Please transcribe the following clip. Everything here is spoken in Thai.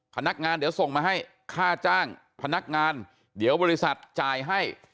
พนักงานเดี๋ยวส่งมาให้ค่าจ้างพนักงานเดี๋ยวบริษัทจ่ายให้